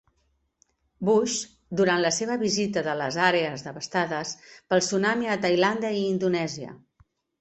Bush durant la seva visita de les àrees devastades pel tsunami a Tailàndia i Indonèsia.